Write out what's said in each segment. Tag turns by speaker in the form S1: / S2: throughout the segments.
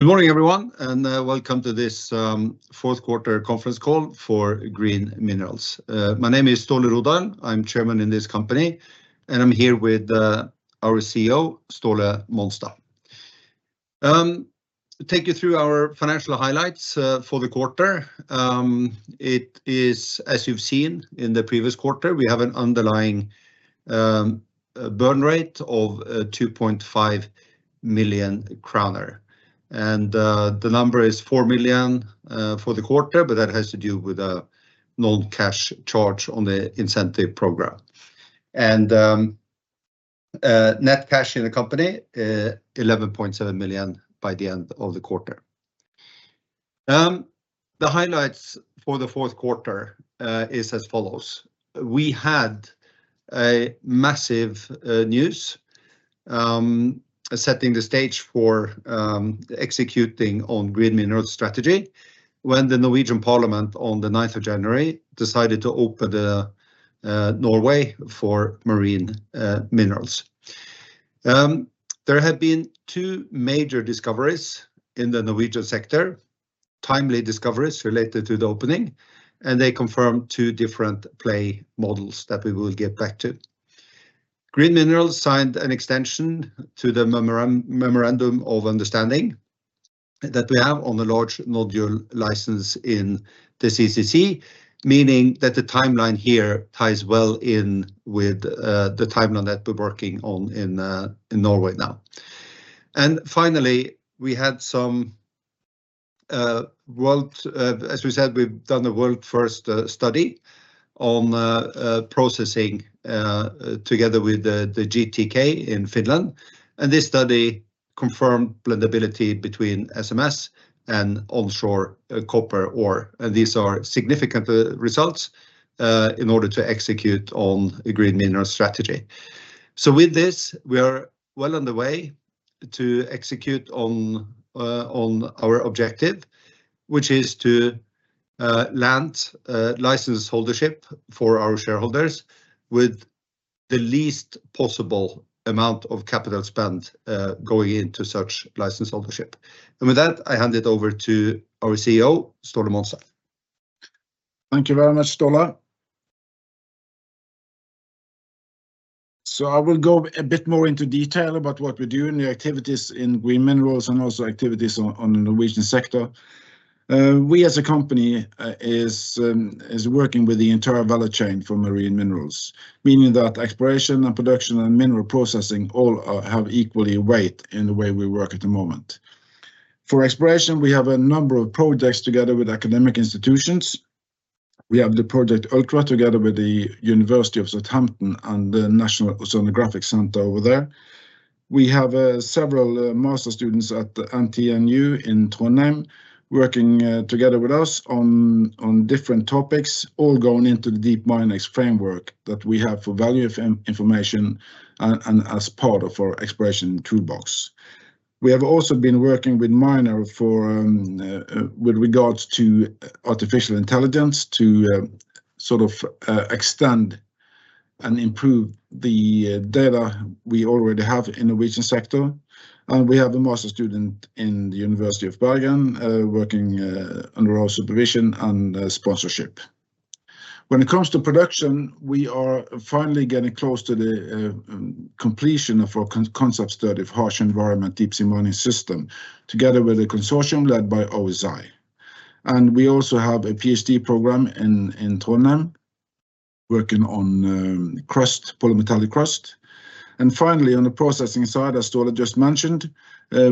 S1: Good morning, everyone, and welcome to this fourth quarter conference call for Green Minerals. My name is Ståle Rodahl. I'm Chairman in this company, and I'm here with our CEO, Ståle Monstad. Take you through our financial highlights for the quarter. It is, as you've seen in the previous quarter, we have an underlying burn rate of 2.5 million. The number is 4 million for the quarter, but that has to do with a non-cash charge on the incentive program. Net cash in the company 11.7 million by the end of the quarter. The highlights for the fourth quarter is as follows: we had a massive news setting the stage for executing on Green Minerals strategy when the Norwegian Parliament, on the ninth of January, decided to open the Norway for marine minerals. There have been two major discoveries in the Norwegian sector, timely discoveries related to the opening, and they confirmed two different play models that we will get back to. Green Minerals signed an extension to the memorandum of understanding that we have on the large nodule license in the CCZ, meaning that the timeline here ties well in with the timeline that we're working on in Norway now. Finally, we had some world... As we said, we've done a world-first study on processing together with the GTK in Finland, and this study confirmed blendability between SMS and onshore copper ore. And these are significant results in order to execute on a Green Minerals strategy. So with this, we are well on the way to execute on our objective, which is to land license holdership for our shareholders with the least possible amount of capital spend going into such license holdership. And with that, I hand it over to our CEO, Ståle Monstad.
S2: Thank you very much, Ståle. So I will go a bit more into detail about what we do and the activities in Green Minerals, and also activities on the Norwegian sector. We, as a company, is working with the entire value chain for marine minerals, meaning that exploration and production and mineral processing all have equal weight in the way we work at the moment. For exploration, we have a number of projects together with academic institutions. We have the project ULTRA, together with the University of Southampton and the National Oceanography Centre over there. We have several master's students at the NTNU in Trondheim, working together with us on different topics, all going into the DeepMineX framework that we have for value of information and as part of our exploration toolbox. We have also been working with Minor for with regards to artificial intelligence, to sort of extend and improve the data we already have in the region sector. And we have a master's student in the University of Bergen, working under our supervision and sponsorship. When it comes to production, we are finally getting close to the completion of our concept study of harsh environment deep-sea mining system, together with a consortium led by OSI. And we also have a PhD program in Trondheim, working on crust, polymetallic crust. Finally, on the processing side, as Ståle just mentioned,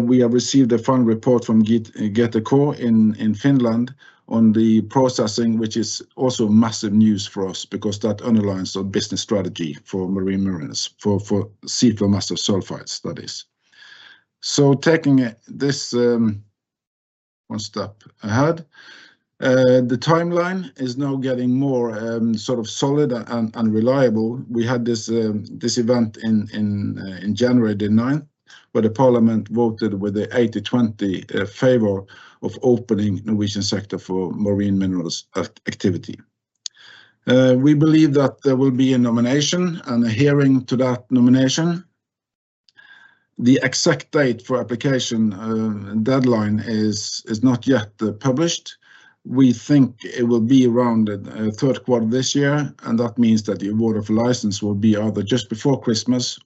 S2: we have received a final report from GTK in Finland on the processing, which is also massive news for us because that underlines our business strategy for marine minerals, for seafloor massive sulfides, that is. Taking it one step ahead, the timeline is now getting more sort of solid and reliable. We had this event in January the ninth, where the parliament voted with the 80-20 favor of opening Norwegian sector for marine minerals activity. We believe that there will be a nomination and a hearing to that nomination. The exact date for application deadline is not yet published. We think it will be around third quarter this year, and that means that the award of license will be either just before Christmas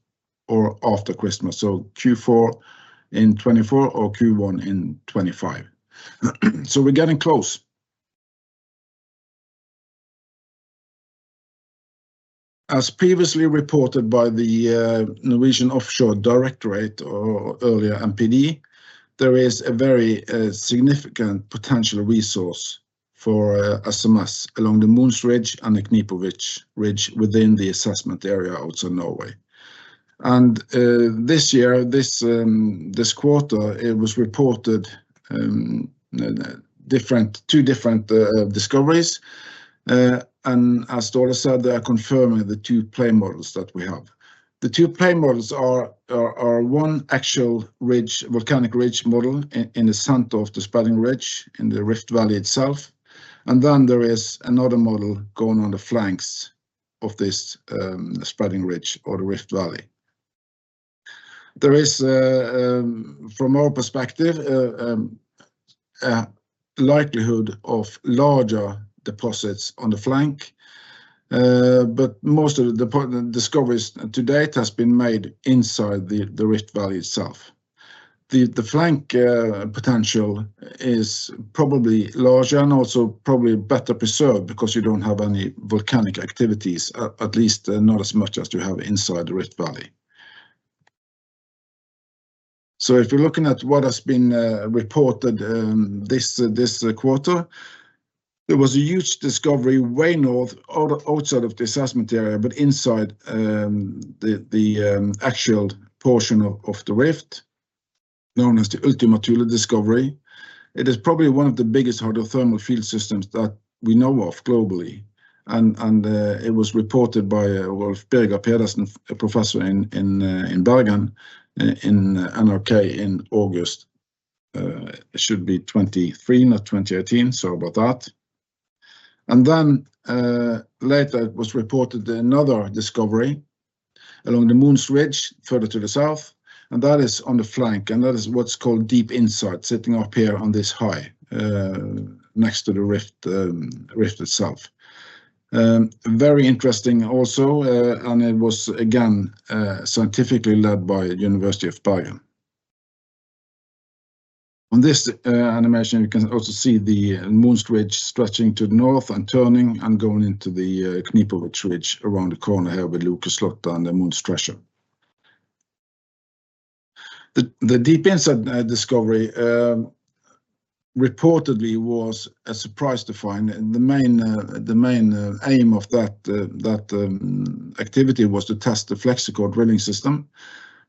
S2: or after Christmas, so Q4 in 2024 or Q1 in 2025. So we're getting close. As previously reported by the Norwegian Offshore Directorate, or earlier, NPD, there is a very significant potential resource for SMS along the Mohns Ridge and Knipovich Ridge within the assessment area out in Norway. This year, this quarter, it was reported 2 different discoveries. And as Ståle said, they are confirming the 2 play models that we have. The 2 play models are 1 actual ridge, volcanic ridge model in the center of the spreading ridge Ridge, in the rift valley itself, and then there is another model going on the flanks. of this, spreading ridge or the Rift Valley. There is, from our perspective, a likelihood of larger deposits on the flank. But most of the important discoveries to date has been made inside the Rift Valley itself. The flank potential is probably larger and also probably better preserved because you don't have any volcanic activities, at least not as much as you have inside the Rift Valley. So if you're looking at what has been reported, this quarter, there was a huge discovery way north, outside of the assessment area, but inside the actual portion of the rift, known as the Ultima Thule discovery. It is probably one of the biggest hydrothermal field systems that we know of globally. It was reported by Rolf Birger Pedersen, a professor in Bergen, in NRK in August. It should be 2023, not 2018, sorry about that. Then, later it was reported another discovery along the Mohns Ridge, further to the south, and that is on the flank, and that is what's called Deep Insight, sitting up here on this high, next to the rift, rift itself. Very interesting also, and it was again, scientifically led by University of Bergen. On this animation, you can also see the Mohns Ridge stretching to the north and turning and going into the Knipovich Ridge around the corner here with Lokeslottet and the Mohns Treasure. The Deep Insight discovery reportedly was a surprise to find. The main aim of that activity was to test the FlexiCore drilling system,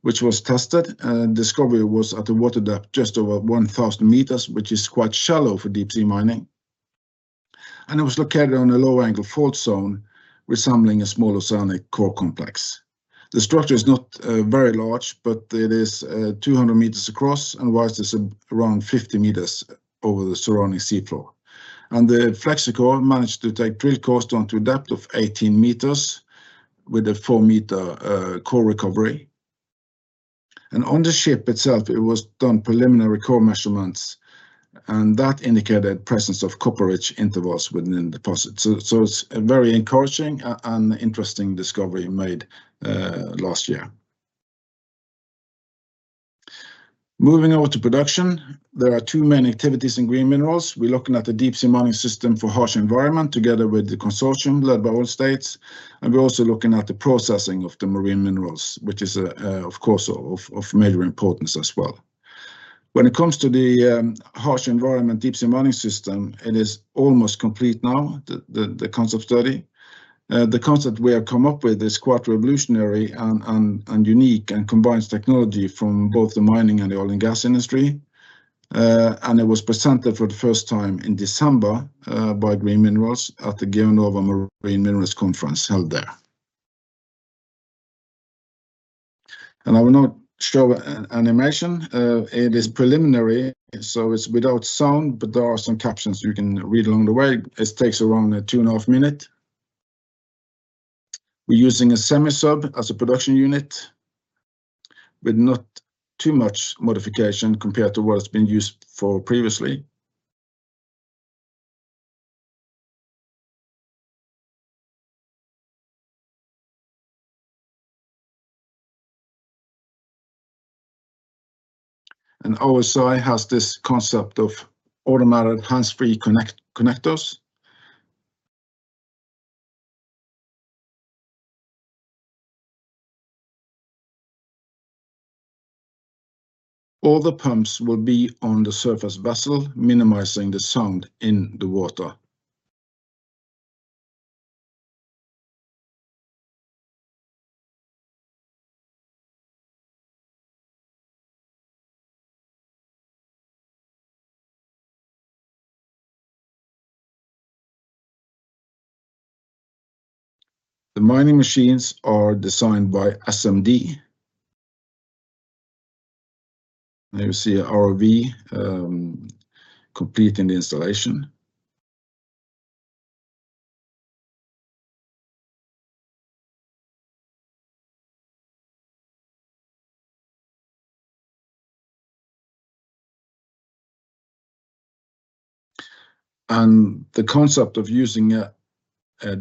S2: which was tested, and discovery was at a water depth just over 1,000 meters, which is quite shallow for deep-sea mining. It was located on a low-angle fault zone resembling a small oceanic core complex. The structure is not very large, but it is 200 meters across and rises around 50 meters over the surrounding sea floor. The FlexiCore managed to take drill cores down to a depth of 18 meters with a 4-meter core recovery. On the ship itself, it was done preliminary core measurements, and that indicated presence of copper-rich intervals within the deposit. So it's a very encouraging and interesting discovery made last year. Moving over to production, there are two main activities in Green Minerals. We're looking at the deep sea mining system for harsh environment, together with the consortium led by Oil States, and we're also looking at the processing of the marine minerals, which is of major importance as well. When it comes to the harsh environment deep sea mining system, it is almost complete now, the concept study. The concept we have come up with is quite revolutionary and unique, and combines technology from both the mining and the oil and gas industry. It was presented for the first time in December by Green Minerals at the GeoNova Marine Minerals Conference held there. I will now show an animation. It is preliminary, so it's without sound, but there are some captions you can read along the way. It takes around 2.5 minutes. We're using a semi-sub as a production unit, with not too much modification compared to what has been used previously. OSI has this concept of automatic hands-free connectors. All the pumps will be on the surface vessel, minimizing the sound in the water. The mining machines are designed by SMD. Now you see a ROV completing the installation. The concept of using a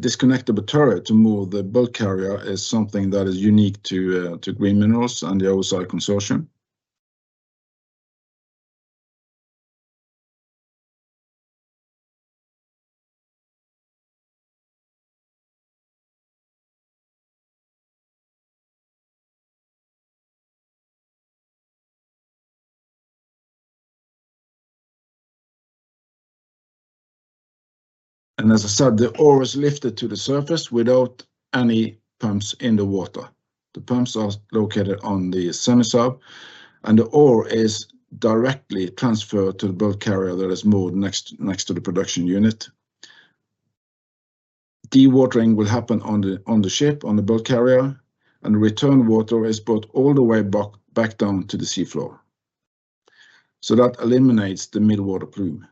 S2: disconnected turret to move the bulk carrier is something that is unique to Green Minerals and the OSI consortium. As I said, the ore is lifted to the surface without any pumps in the water. The pumps are located on the semi-sub, and the ore is directly transferred to the bulk carrier that is moored next to the production unit. Dewatering will happen on the ship, on the bulk carrier, and return water is brought all the way back down to the sea floor. So that eliminates the mid-water plume.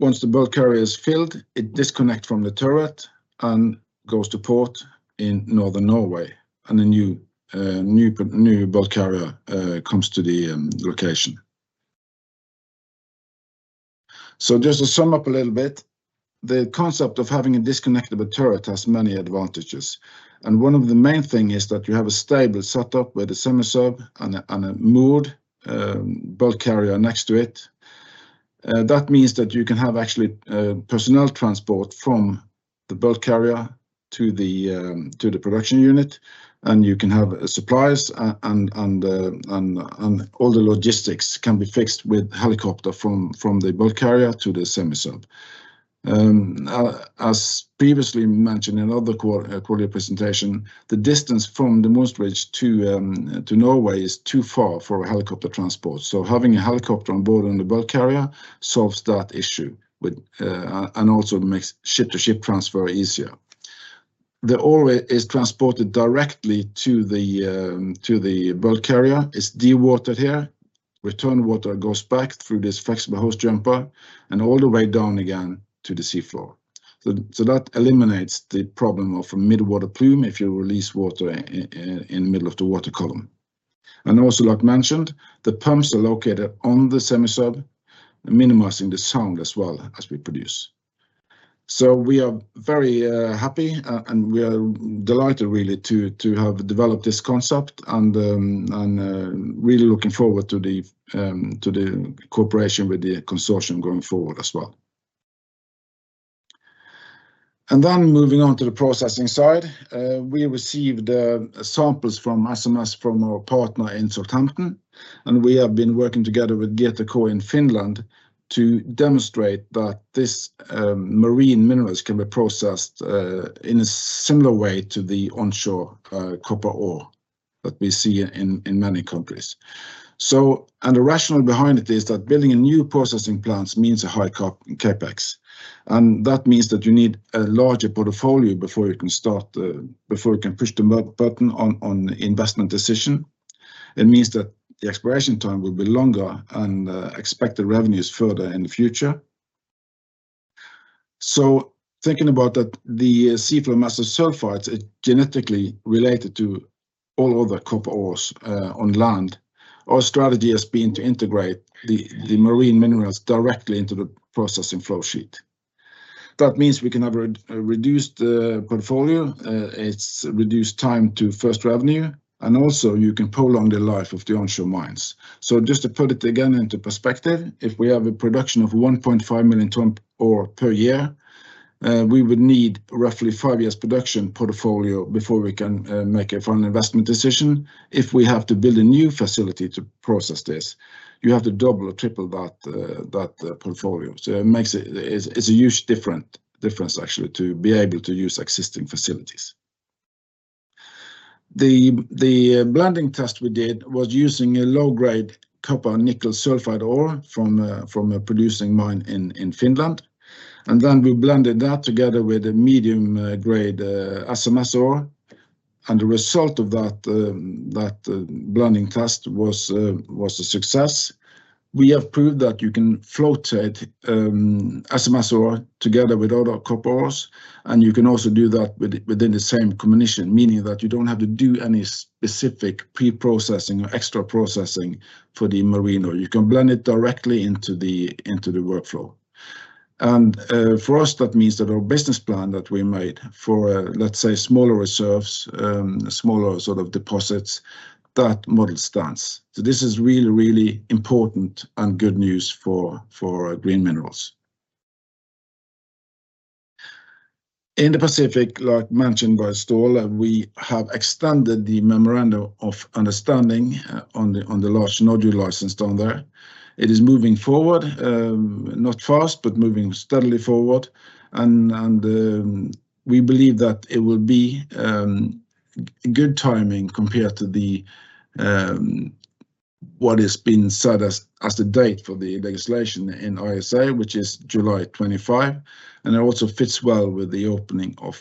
S2: Once the bulk carrier is filled, it disconnect from the turret and goes to port in northern Norway, and a new bulk carrier comes to the location. So just to sum up a little bit, the concept of having a disconnected turret has many advantages, and one of the main thing is that you have a stable setup with a semi-sub and a moored bulk carrier next to it. That means that you can have actually, personnel transport from the bulk carrier to the production unit, and you can have supplies and all the logistics can be fixed with helicopter from the bulk carrier to the semi-sub. As previously mentioned in other quarterly presentation, the distance from the Mohns Ridge to Norway is too far for a helicopter transport. So having a helicopter on board on the bulk carrier solves that issue with... And also makes ship-to-ship transfer easier. The ore is transported directly to the bulk carrier, is dewatered here, return water goes back through this flexible hose jumper, and all the way down again to the sea floor. So that eliminates the problem of a mid-water plume if you release water in the middle of the water column. And also, like mentioned, the pumps are located on the semi-sub, minimizing the sound as well as we produce. So we are very happy, and we are delighted, really, to have developed this concept and really looking forward to the cooperation with the consortium going forward as well. And then moving on to the processing side, we received samples from SMS, from our partner in Southampton, and we have been working together with GTK in Finland to demonstrate that this marine minerals can be processed in a similar way to the onshore copper ore that we see in many countries. So, the rationale behind it is that building a new processing plant means a high CapEx, and that means that you need a larger portfolio before you can start before you can push the button on investment decision. It means that the exploration time will be longer and expected revenues further in the future. So thinking about that, the seafloor massive sulfides, it's genetically related to all other copper ores on land. Our strategy has been to integrate the marine minerals directly into the processing flow sheet. That means we can have a reduced portfolio, it's reduced time to first revenue, and also you can prolong the life of the onshore mines. So just to put it again into perspective, if we have a production of 1.5 million ton ore per year, we would need roughly five years production portfolio before we can make a final investment decision. If we have to build a new facility to process this, you have to double or triple that, that, portfolio. So it makes it... It's a huge difference actually, to be able to use existing facilities. The blending test we did was using a low-grade copper nickel sulfide ore from a producing mine in Finland, and then we blended that together with a medium grade SMS ore, and the result of that, that, blending test was a success. We have proved that you can float it, SMS ore together with other copper ores, and you can also do that within the same combination, meaning that you don't have to do any specific pre-processing or extra processing for the marine ore. You can blend it directly into the workflow. And for us, that means that our business plan that we made for, let's say, smaller reserves, smaller sort of deposits, that model stands. So this is really, really important and good news for Green Minerals. In the Pacific, like mentioned by Ståle, we have extended the memorandum of understanding on the large nodule license down there. It is moving forward, not fast, but moving steadily forward, and we believe that it will be good timing compared to what has been set as the date for the legislation in ISA, which is July 2025, and it also fits well with the opening of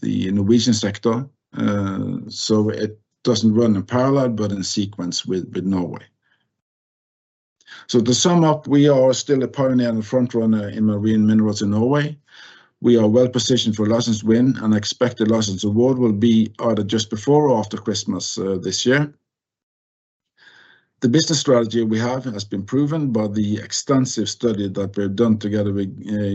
S2: the Norwegian sector. So it doesn't run in parallel, but in sequence with Norway. So to sum up, we are still a pioneer and frontrunner in marine minerals in Norway. We are well positioned for a license win, and expected license award will be either just before or after Christmas this year. The business strategy we have has been proven by the extensive study that we've done together with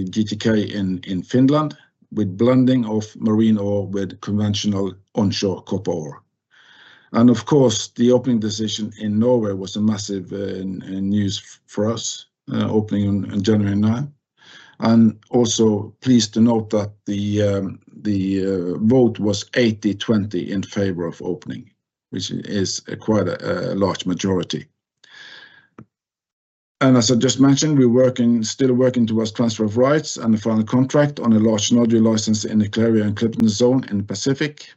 S2: GTK in Finland, with blending of marine ore with conventional onshore copper ore. Of course, the opening decision in Norway was a massive news for us, opening on January ninth. Also pleased to note that the vote was 80-20 in favor of opening, which is quite a large majority. As I just mentioned, we're still working towards transfer of rights and the final contract on a large nodule license in the Clarion-Clipperton Zone in the Pacific. ...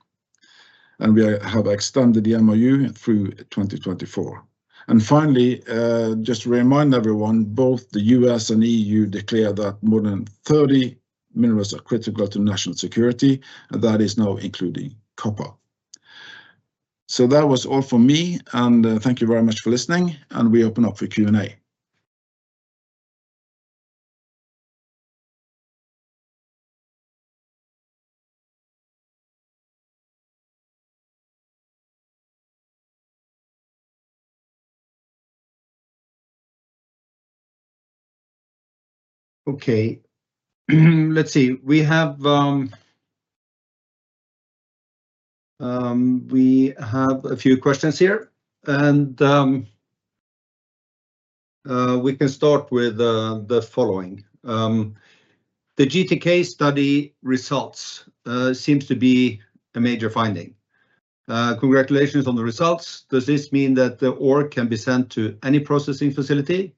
S2: and we have extended the MOU through 2024. And finally, just to remind everyone, both the U.S. and EU declared that more than 30 minerals are critical to national security, and that is now including copper. So that was all from me, and, thank you very much for listening, and we open up for Q&A.
S1: Okay, let's see. We have a few questions here, and we can start with the following. The GTK study results seems to be a major finding. Congratulations on the results. Does this mean that the ore can be sent to any processing facility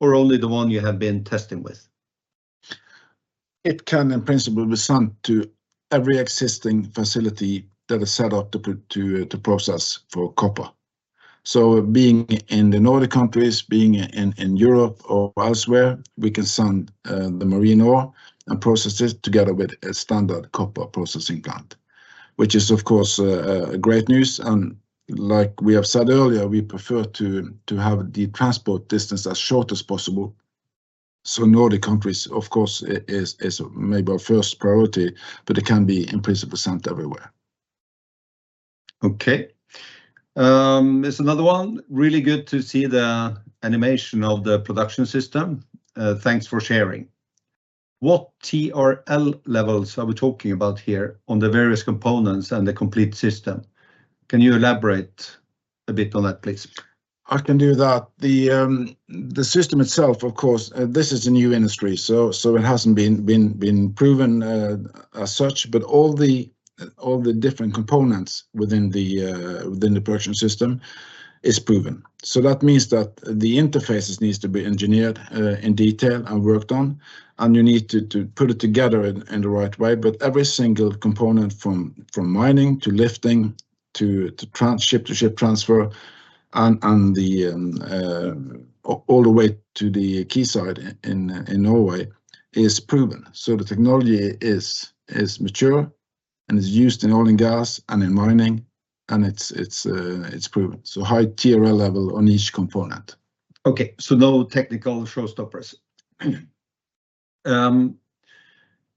S1: or only the one you have been testing with?
S2: It can, in principle, be sent to every existing facility that is set up to process for copper. So being in the Nordic countries, being in Europe or elsewhere, we can send the marine ore and process it together with a standard copper processing plant, which is, of course, great news. And like we have said earlier, we prefer to have the transport distance as short as possible. So Nordic countries, of course, is maybe our first priority, but it can be, in principle, sent everywhere.
S1: Okay. There's another one. Really good to see the animation of the production system. Thanks for sharing. What TRL levels are we talking about here on the various components and the complete system? Can you elaborate a bit on that, please?
S2: I can do that. The system itself, of course, this is a new industry, so it hasn't been proven as such. But all the different components within the production system is proven. So that means that the interfaces needs to be engineered in detail and worked on, and you need to put it together in the right way. But every single component, from mining to lifting to ship-to-ship transfer, and all the way to the quayside in Norway, is proven. So the technology is mature and is used in oil and gas and in mining, and it's proven. So high TRL level on each component.
S1: Okay, so no technical showstoppers.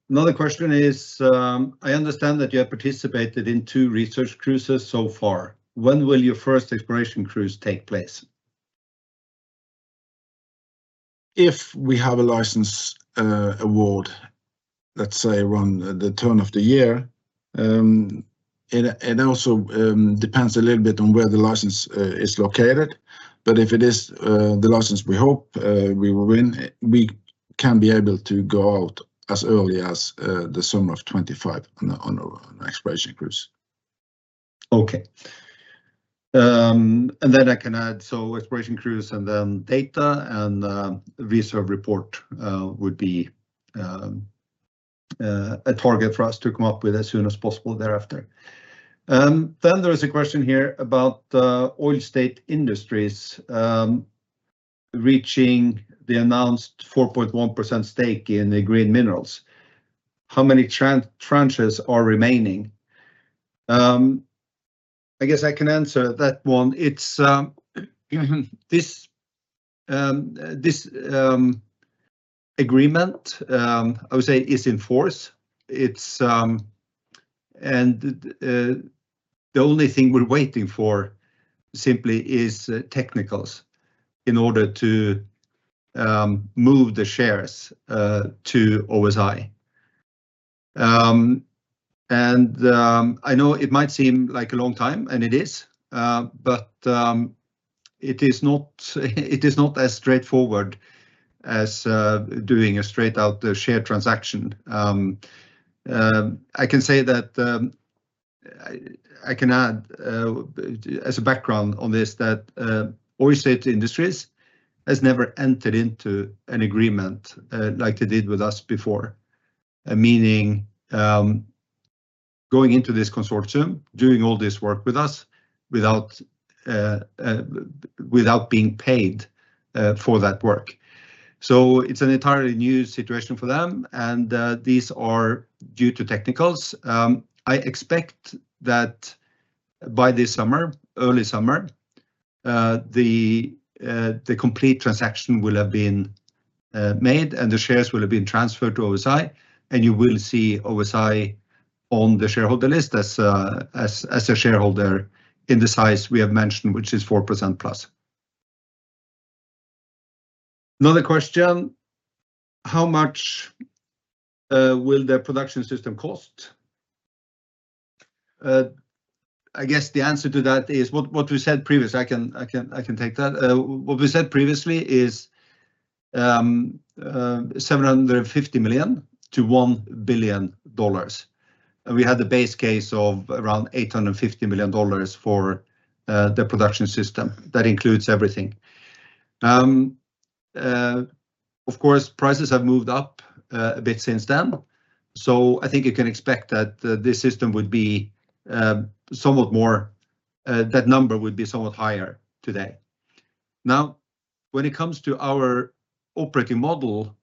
S1: Another question is: I understand that you have participated in two research cruises so far. When will your first exploration cruise take place?
S2: If we have a license award, let's say around the turn of the year, it also depends a little bit on where the license is located. But if it is the license we hope we will win, we can be able to go out as early as the summer of 2025 on exploration cruise.
S1: Okay. And then I can add, so exploration cruise, and then data, and, reserve report, would be a target for us to come up with as soon as possible thereafter. Then there is a question here about Oil States Industries reaching the announced 4.1% stake in Green Minerals. How many tranches are remaining? I guess I can answer that one. It's this agreement, I would say, is in force. It's and the only thing we're waiting for simply is technicals in order to move the shares to OSI. And I know it might seem like a long time, and it is, but it is not, it is not as straightforward as doing a straight out share transaction. I can say that, I can add, as a background on this, that, Oil States Industries has never entered into an agreement like they did with us before. Meaning, going into this consortium, doing all this work with us, without being paid for that work. So it's an entirely new situation for them, and these are due to technicals. I expect that by this summer, early summer, the complete transaction will have been made, and the shares will have been transferred to OSI, and you will see OSI on the shareholder list as a shareholder in the size we have mentioned, which is 4%+. Another question: How much will the production system cost? I guess the answer to that is what we said previously. I can take that. What we said previously is $750 million-$1 billion. We had the base case of around $850 million for the production system. That includes everything. Of course, prices have moved up a bit since then. So I think you can expect that this system would be somewhat more, that number would be somewhat higher today. Now, when it comes to our operating model,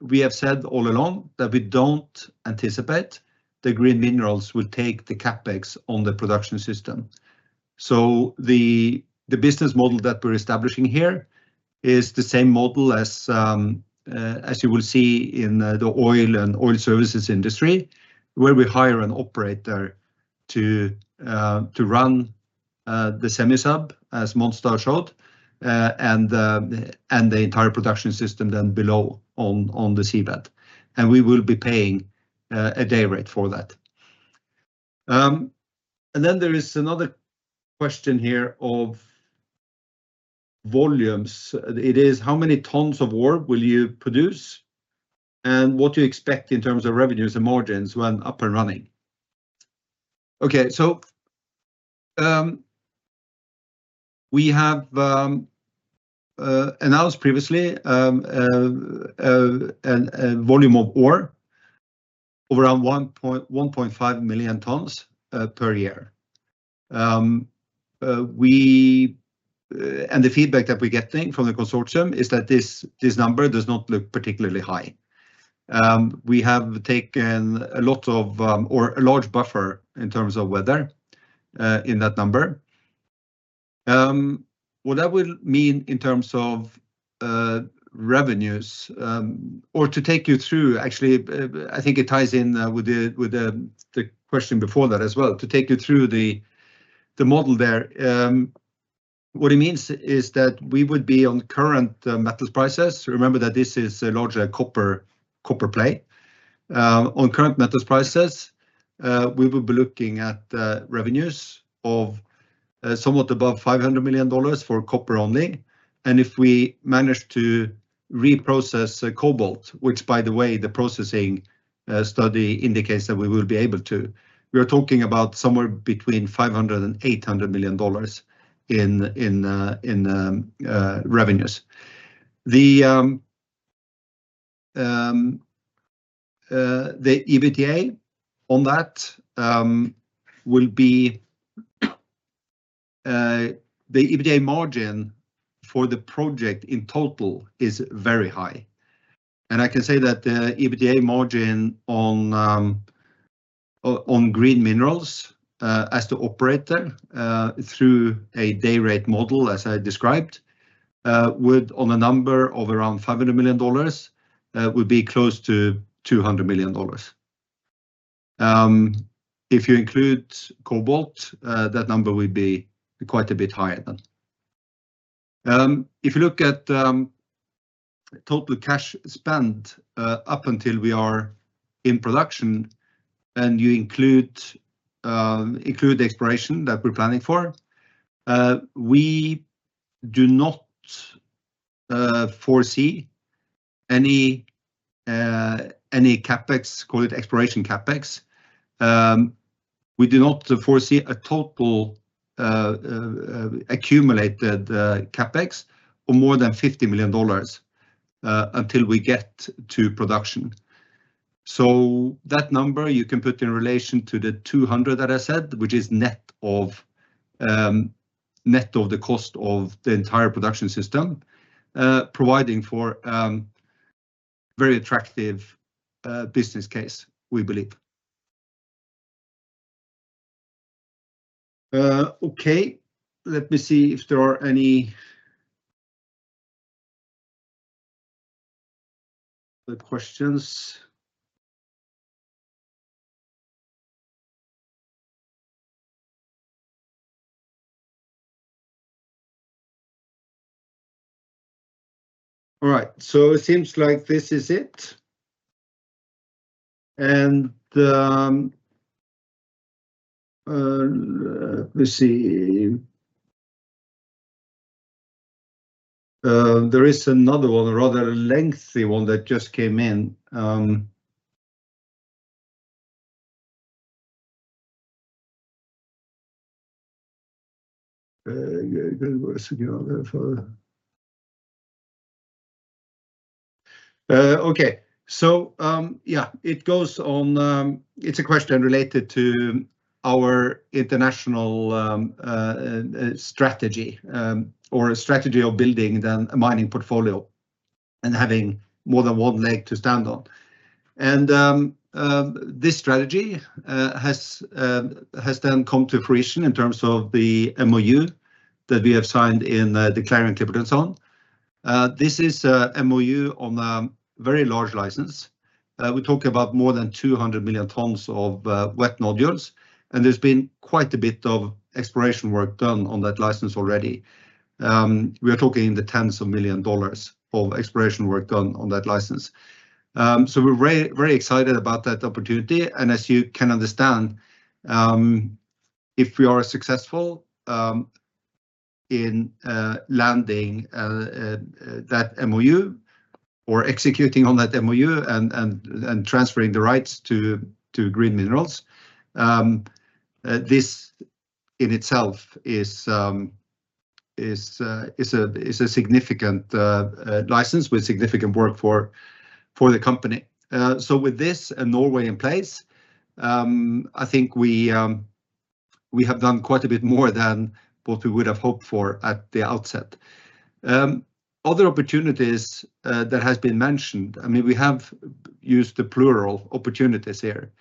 S1: we have said all along that we don't anticipate that Green Minerals will take the CapEx on the production system. So the business model that we're establishing here is the same model as you will see in the oil and oil services industry, where we hire an operator to run the semi-sub, as Monstad showed, and the entire production system then below on the seabed, and we will be paying a day rate for that. And then there is another question here of volumes. It is, "How many tons of ore will you produce, and what do you expect in terms of revenues and margins when up and running?" Okay, so we have announced previously a volume of ore around 1.5 million tons per year. We... and the feedback that we're getting from the consortium is that this, this number does not look particularly high. We have taken a lot of, or a large buffer in terms of weather, in that number. What that will mean in terms of revenues, or to take you through, actually, I think it ties in with the question before that as well. To take you through the model there, what it means is that we would be on current metals prices. Remember that this is largely a copper, copper play. On current metals prices, we will be looking at revenues of somewhat above $500 million for copper only. If we manage to reprocess the cobalt, which, by the way, the processing study indicates that we will be able to, we are talking about somewhere between $500 million and $800 million in revenues. The EBITDA on that will be, the EBITDA margin for the project in total is very high. I can say that the EBITDA margin on Green Minerals as the operator through a day rate model, as I described, would, on a number of around $500 million, would be close to $200 million. If you include cobalt, that number will be quite a bit higher then. If you look at total cash spent up until we are in production, and you include the exploration that we're planning for, we do not foresee any CapEx, call it exploration CapEx. We do not foresee a total accumulated CapEx of more than $50 million until we get to production. So that number you can put in relation to the $200 million that I said, which is net of the cost of the entire production system providing for very attractive business case, we believe. Okay, let me see if there are any other questions. All right, so it seems like this is it. And let me see. There is another one, a rather lengthy one that just came in. Okay. So, yeah, it goes on, it's a question related to our international strategy, or a strategy of building then a mining portfolio and having more than one leg to stand on. And, this strategy has then come to fruition in terms of the MoU that we have signed in the Clarion-Clipperton Zone. This is a MoU on a very large license. We talk about more than 200 million tons of wet nodules, and there's been quite a bit of exploration work done on that license already. We are talking in the tens of millions of dollars of exploration work done on that license. So we're very, very excited about that opportunity, and as you can understand, if we are successful in landing that MoU-... or executing on that MoU and transferring the rights to Green Minerals. This in itself is a significant license with significant work for the company. So with this and Norway in place, I think we have done quite a bit more than what we would have hoped for at the outset. Other opportunities that has been mentioned, I mean, we have used the plural opportunities here,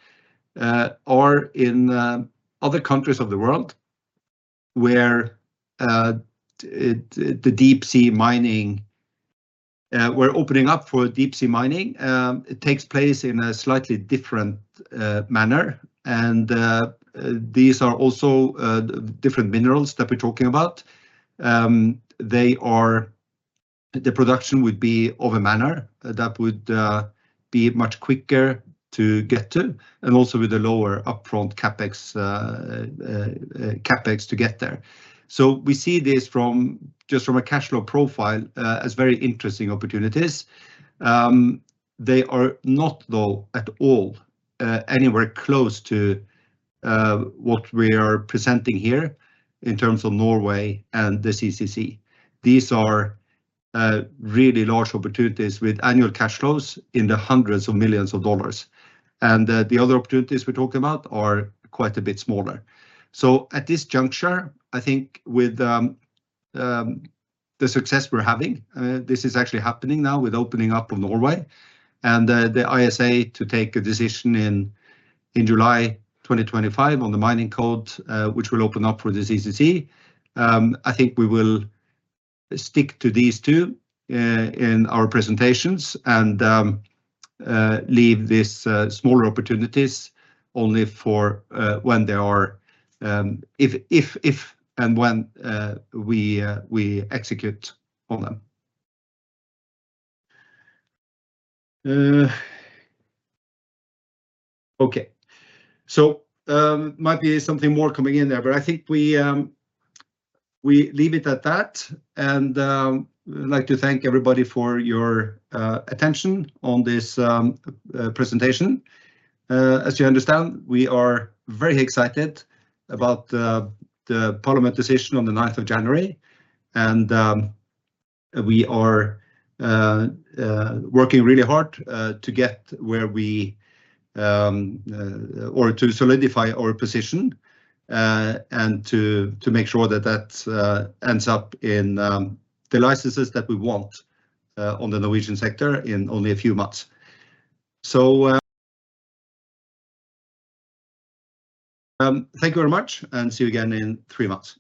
S1: are in other countries of the world, where the deep-sea mining we're opening up for deep-sea mining. It takes place in a slightly different manner, and these are also different minerals that we're talking about. The production would be of a manner that would be much quicker to get to, and also with a lower upfront CapEx to get there. So we see this from, just from a cash flow profile, as very interesting opportunities. They are not, though, at all anywhere close to what we are presenting here in terms of Norway and the CCZ. These are really large opportunities with annual cash flows in the $ hundreds of millions. And the other opportunities we're talking about are quite a bit smaller. So at this juncture, I think with the success we're having, this is actually happening now with opening up of Norway and the ISA to take a decision in July 2025 on the mining code, which will open up for the CCZ. I think we will stick to these two in our presentations and leave these smaller opportunities only for when they are, if, if, if, and when we execute on them. Okay. So, might be something more coming in there, but I think we leave it at that, and I'd like to thank everybody for your attention on this presentation. As you understand, we are very excited about the parliament decision on the ninth of January, and we are working really hard to get where we or to solidify our position, and to make sure that that ends up in the licenses that we want on the Norwegian sector in only a few months. Thank you very much, and see you again in three months.